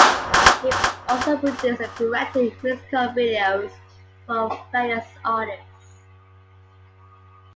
He also produced and directed musical videos for various artists.